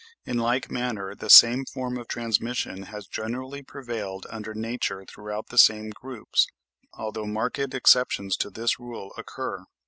In like manner the same form of transmission has generally prevailed under nature throughout the same groups, although marked exceptions to this rule occur.